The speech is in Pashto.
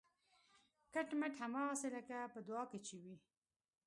کټ مټ هماغسې لکه په دعا کې چې وي